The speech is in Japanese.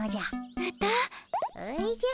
おじゃ。